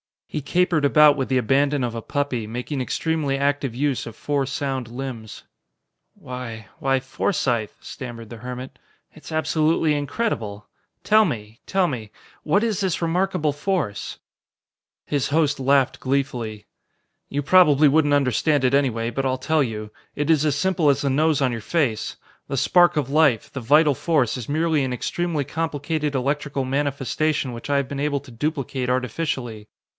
He capered about with the abandon of a puppy, making extremely active use of four sound limbs. "Why why, Forsythe," stammered the hermit, "it's absolutely incredible. Tell me tell me what is this remarkable force?" His host laughed gleefully. "You probably wouldn't understand it anyway, but I'll tell you. It is as simple as the nose on your face. The spark of life, the vital force, is merely an extremely complicated electrical manifestation which I have been able to duplicate artificially.